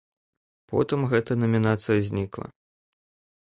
Потым гэтая намінацыя знікла.